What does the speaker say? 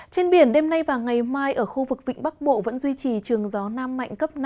trên biển đêm nay và ngày mai ở khu vực vịnh bắc bộ vẫn duy trì trường gió nam mạnh cấp năm